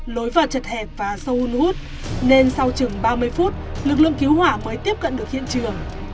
lối vào chật hẹp và sâu un hút nên sau chừng ba mươi phút lực lượng cứu hỏa mới tiếp cận được hiện trường